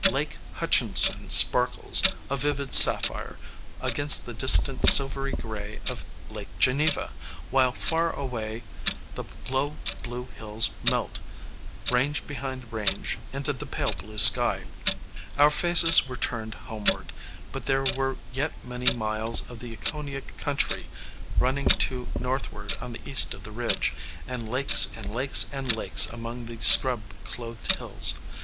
Lake Hutchinson sparkles, a vivid sapphire, against the distant silvery gray of Lake Geneva, while far away the low blue hills melt, range behind range, into the pale blue sky. [Illustration: SANTA FÉ LAKE.] Our faces were turned homeward, but there were yet many miles of the Ekoniah country running to northward on the east of the Ridge, and lakes and lakes and lakes among the scrub clothed hills.